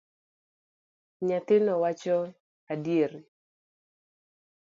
Nyathino wacho adieri.